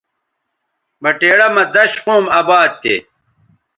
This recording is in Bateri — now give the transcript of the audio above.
بٹیڑہ مہ دش قوم اباد تھے